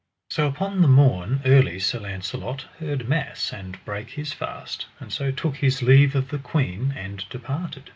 And so upon the morn early Sir Launcelot heard mass and brake his fast, and so took his leave of the queen and departed.